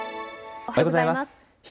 おはようございます。